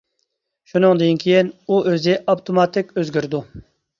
شۇنىڭدىن كىيىن ئۇ ئۆزى ئاپتوماتىك ئۆزگىرىدۇ.